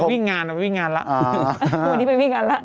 วิ่งงานล่ะวันนี้ไปวิ่งงานล่ะ